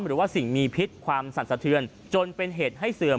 หรือว่าสิ่งมีพิษความสั่นสะเทือนจนเป็นเหตุให้เสื่อม